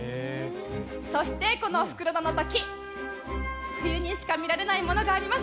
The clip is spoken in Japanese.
そして、この袋田の滝冬にしか見られないものがあります。